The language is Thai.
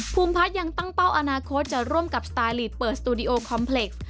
ภูมิพัฒน์ยังตั้งเป้าอนาคตจะร่วมกับสไตลีทเปิดสตูดิโอคอมเพล็กต์